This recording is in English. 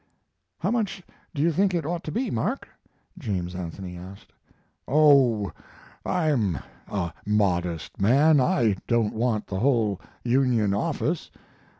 "How much do you think it ought to be, Mark?" James Anthony asked. "Oh, I'm a modest man; I don't want the whole Union office.